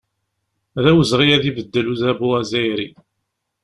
D awezɣi ad ibeddel udabu azzayri.